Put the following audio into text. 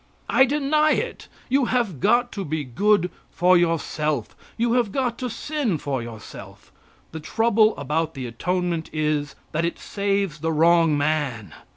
I deny it. You have got to be good for yourself; you have got to sin for yourself. The trouble about the atonement is, that it saves the wrong man.